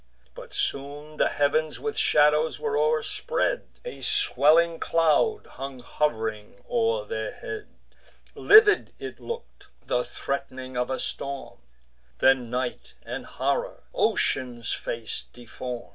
But soon the heav'ns with shadows were o'erspread; A swelling cloud hung hov'ring o'er their head: Livid it look'd, the threat'ning of a storm: Then night and horror ocean's face deform.